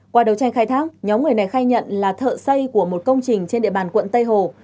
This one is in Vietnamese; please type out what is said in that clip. qua đấu tranh khai thác nhóm người này khai nhận là thợ xây của một công trình trên địa bàn quận tây hồ